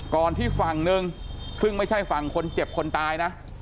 ก่อนที่ฝั่งหนึ่งซึ่งไม่ใช่ฝั่งคนเจ็บคนตายนะ